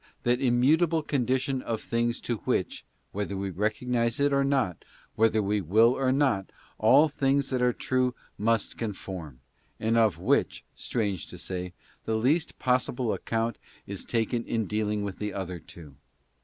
: that immutable condition of things to which — whether we recognize it or not, whether we will or not — all things that are true must conform, and of which, strange to say, the least possible account is taken in dealing with the other two.